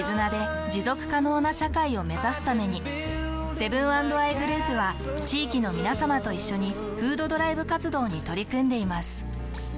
セブン＆アイグループは地域のみなさまと一緒に「フードドライブ活動」に取り組んでいます。